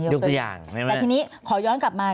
ยกตัวอย่างเดี๋ยวนี้ขอย้อนกลับมา